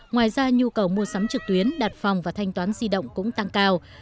ngoài ra nhu cầu mua sắm trực tuyến đặt phòng và thanh toán di động cũng tăng cao